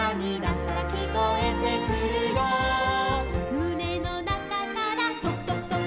「むねのなかからとくとくとく」